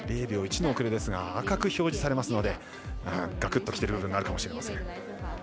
０秒９１の遅れですが赤く表示されますのでガクッときてる部分があるかもしれません。